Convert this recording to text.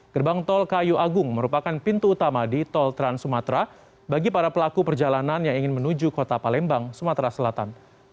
gerbang tol kayu agung merupakan pintu utama di tol trans sumatera bagi para pelaku perjalanan yang ingin menuju kota palembang sumatera selatan